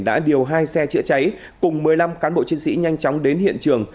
đã điều hai xe chữa cháy cùng một mươi năm cán bộ chiến sĩ nhanh chóng đến hiện trường